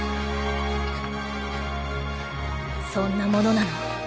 そんなものなの？